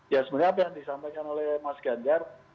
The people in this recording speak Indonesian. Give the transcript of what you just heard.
ya sebenarnya apa yang disampaikan oleh mas ganjar